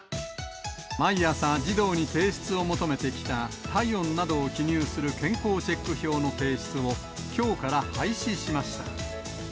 毎朝、児童に提出を求めてきた、体温などを記入する健康チェック表の提出を、きょうから廃止しました。